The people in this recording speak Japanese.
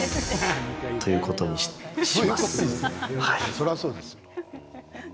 そりゃ、そうですよ。